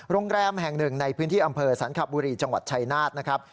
โรงแรมแห่งหนึ่งในพื้นที่อำเภอสันขบุรีจังหวัดชายนาฏนะครับ